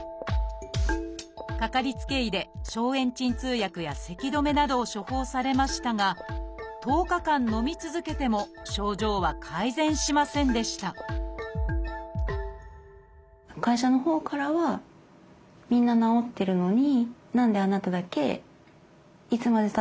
かかりつけ医で消炎鎮痛薬やせき止めなどを処方されましたが１０日間のみ続けても会社のほうからは「みんな治ってるのに」